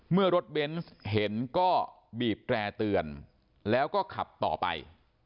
เมื่อรถเบนส์เห็นก็บีบแตร่เตือนแล้วก็ขับต่อไป